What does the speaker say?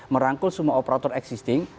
merangkul semua operator existing